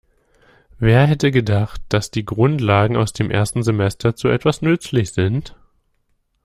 Wer hätte gedacht, dass die Grundlagen aus dem ersten Semester zu etwas nützlich sind?